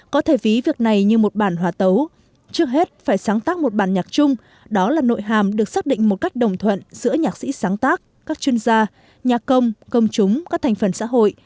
có thể ví việc này như một bản hòa tấu trước hết phải sáng tác một bản nhạc chung đó là nội hàm được xác định một cách đồng thuận giữa nhạc sĩ sáng tác các chuyên gia nhạc công công chúng các thành phần xã hội